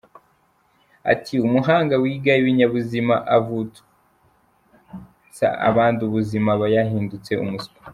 Ati “Umuhanga wiga ibinyabuzima akavutsa abandi ubuzima aba yahindutse umuswa.